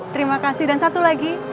terima kasih dan satu lagi